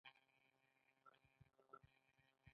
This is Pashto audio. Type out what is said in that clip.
ایا امبولانس ته لاسرسی لرئ؟